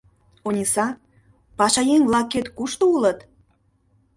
Ониса, пашаеҥ-влакет кушто улыт?